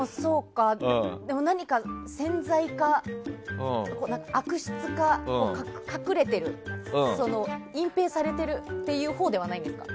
でも、何か潜在か悪質か隠れている隠蔽されているほうではないんですか。